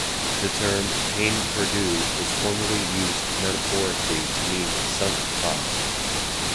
The term "pain perdu" was formerly used metaphorically to mean sunk costs.